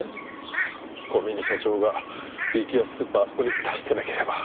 ああ小峰社長が激安スーパーあそこに出してなければ。